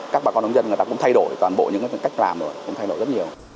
các bà con nông dân người ta cũng thay đổi toàn bộ những cách làm rồi cũng thay đổi rất nhiều